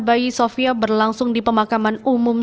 bayi sofia berlangsung di pemakaman umum